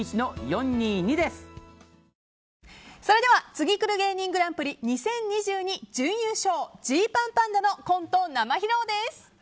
「ツギクル芸人グランプリ２０２２」準優勝、Ｇパンパンダのコント生披露です。